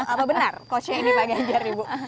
apa benar coachnya ini pak ganjar nih bu